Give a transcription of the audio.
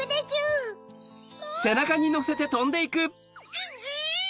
アンアン！